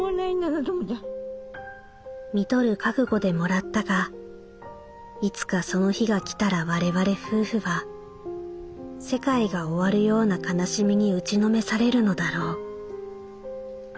「看取る覚悟でもらったがいつかその日が来たら我々夫婦は世界が終わるような悲しみに打ちのめされるのだろう」。